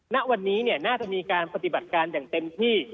ณวันนี้น่าจะมีการปฏิบัติการอย่างเต็มที่